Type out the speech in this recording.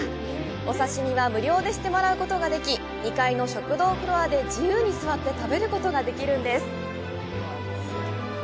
お刺身は無料でしてもらうことができ、２階の食堂フロアで自由に座って食べることができるんです！